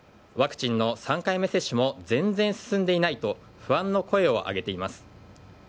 ワクチンの３回目接種も全然進んでいないと不安の声を上げています。